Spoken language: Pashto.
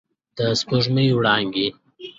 د سپوږمۍ وړانګې